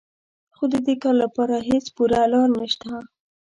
خو د دې کار لپاره هېڅ پوره لاره نهشته